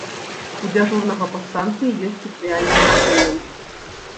У дзяжурнага па станцыі ёсць спецыяльны інструмент.